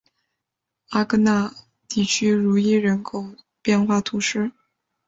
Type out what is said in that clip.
阿戈讷地区茹伊人口变化图示